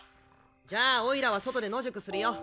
じゃあおいらは外で野宿するよ。